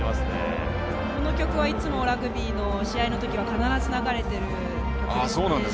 この曲はいつもラグビーの試合の時は必ず流れている曲ですね。